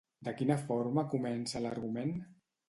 De quina forma comença l'argument?